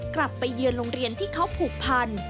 กลับไปเยือนโรงเรียนที่เขาผูกพัน